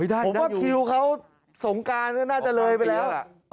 ผมว่าคิวเขาสงกรานน่าจะเลยไปแล้ว